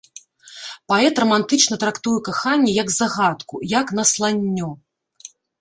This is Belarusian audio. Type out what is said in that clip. Паэт рамантычна трактуе каханне як загадку, як насланнё.